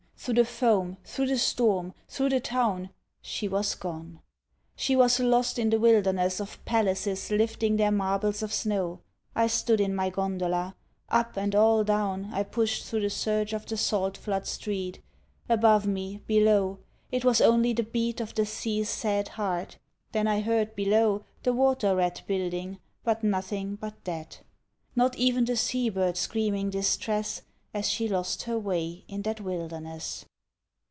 Through the foam, through the storm, through the town, She was gone. She was lost in the wilderness Of palaces lifting their marbles of snow. I stood in my gondola. Up and all down I pushed through the surge of the salt flood street Above me, below. .. Twas only the beat Of the sea’s sad heart. .. Then I heard below The water rat building, but nothing but that; Not even the sea bird screaming distress, As she lost her way in that wilderness.